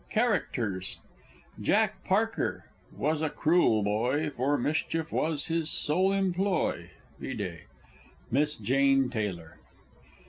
CHARACTERS. Jack Parker ("was a cruel boy, For mischief was his sole employ." Vide) Miss JANE TAYLOR.